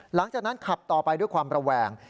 หลังจากนั้นขับต่อไปด้วยความระแวง